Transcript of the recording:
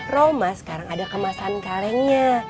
roma sekarang ada kemasan kalengnya